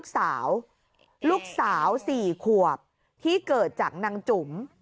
สาวสี่ขวบที่เกิดจากนางจุ๋ม